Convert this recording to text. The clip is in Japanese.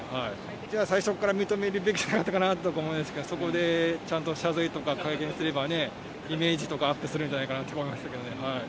じゃあ最初から認めるべきだったかなと思いましたけど、そこでちゃんと謝罪とか、会見すればね、イメージとかアップするんじゃないかなと思いますけどね。